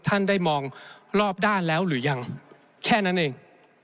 ท่านได้มองรอบด้านแล้วหรือยังแค่นั้นเอง